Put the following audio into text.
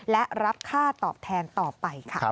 และรับค่าตอบแทนต่อไปค่ะ